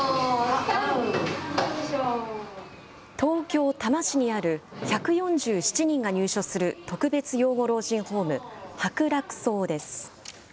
東京・多摩市にある、１４７人が入所する特別養護老人ホーム、白楽荘です。